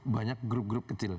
banyak grup grup kecil